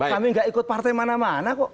kami gak ikut partai mana mana kok